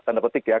tanda petik ya